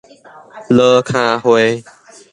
籮坩會